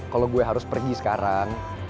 kalau gue harus pergi sekarang